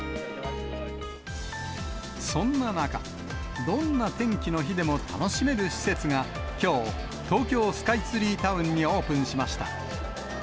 そんな中、どんな天気の日でも楽しめる施設が、きょう、東京スカイツリータウンにオープンしました。